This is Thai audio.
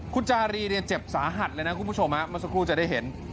คุณจารีเนี่ยเจ็บสาหัดเลยนะครับมันสักครู่จะได้เห็น